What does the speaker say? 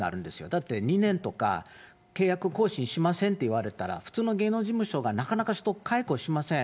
だって２年とか、契約更新しませんって言われたら、普通の芸能事務所はなかなか人解雇しません。